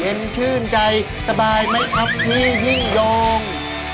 ชื่นใจสบายไหมครับพี่ยิ่งยง